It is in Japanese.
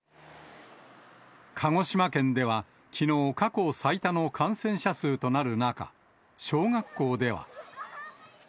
鹿児島県では、きのう、過去最多の感染者数となる中、小学校では。